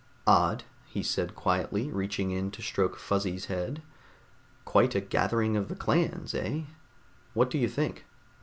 "Odd," he said quietly, reaching in to stroke Fuzzy's head. "Quite a gathering of the clans, eh? What do you think?